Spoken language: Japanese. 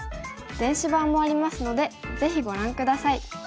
電子版もありますのでぜひご覧下さい。